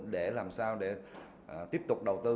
để làm sao để tiếp tục đầu tư